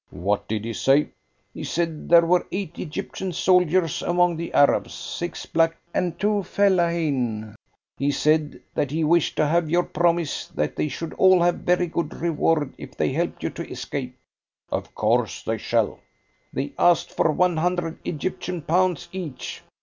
"What did he say?" "He said that there were eight Egyptian soldiers among the Arabs six black and two fellaheen. He said that he wished to have your promise that they should all have very good reward if they helped you to escape." "Of course they shall." "They asked for one hundred Egyptian pounds each."